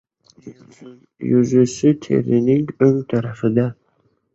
Yuzasi terining o‘ng tarafidir.